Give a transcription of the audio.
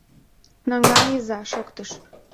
— Наҥгайыза, — шоктыш.